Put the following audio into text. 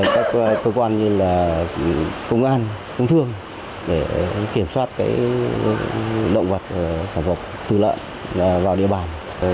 các cơ quan như là công an công thương để kiểm soát động vật sản phục tử lợi vào địa bàn